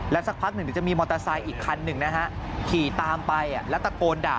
แล้วสักพักหนึ่งจะมีมอเตอร์ไซค์อีกครั้งหนึ่งขี่ตามไปแล้วตะโกนด่า